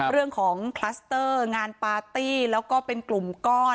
คลัสเตอร์งานปาร์ตี้แล้วก็เป็นกลุ่มก้อน